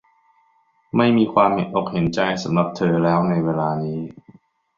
ไม่มีความเห็นอกเห็นใจสำหรับเธอแล้วในเวลานี้